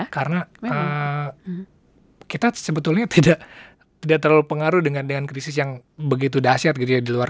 karena kita sebetulnya tidak terlalu pengaruh dengan krisis yang begitu dahsyat gitu ya di luar